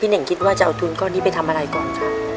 เน่งคิดว่าจะเอาทุนก้อนนี้ไปทำอะไรก่อนครับ